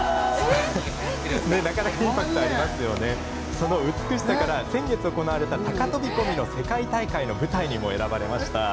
その美しさから先月、行われた高飛び込みの世界大会の舞台にも選ばれました。